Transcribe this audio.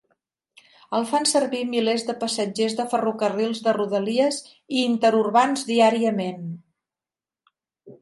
El fan servir milers de passatgers de ferrocarrils de rodalies i interurbans diàriament.